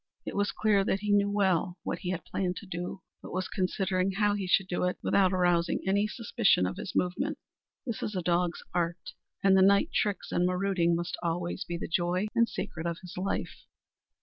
It was clear that he knew well what he had planned to do, but was considering how he should do it without arousing any suspicion of his movements. This is a dog's art, and the night tricks and marauding must always be the joy and secret of his life!